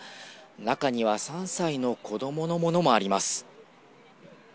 中には３歳の子どものものもあります。